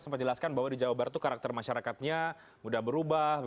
sempat jelaskan bahwa di jawa barat itu karakter masyarakatnya mudah berubah